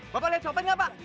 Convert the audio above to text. bapak lihat copet gak pak